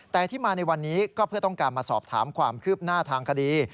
แต่ที่มาในวันนี้ก็เพื่อต้องการมาสอบถามความคืบหน้าทางคดี